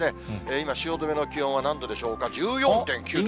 今、汐留の気温は何度でしょうか、１４．９度。